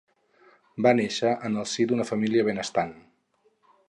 Va néixer en el si d'una família benestant.